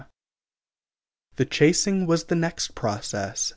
] The chasing was the next process.